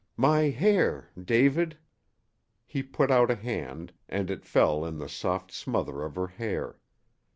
"My hair David " He put out a hand, and it fell in the soft smother of her hair.